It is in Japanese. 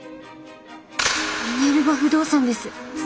ミネルヴァ不動産です！